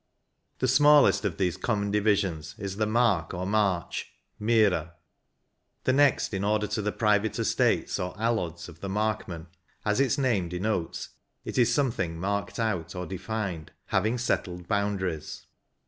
The smallest of these common divisions is the mark or march (mearc) ; the next in order to the private estates or alods of the markmen, as its name denotes, it is something marked out or de fined, having settled boundaries.